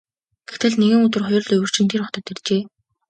Гэтэл нэгэн өдөр хоёр луйварчин тэр хотод иржээ.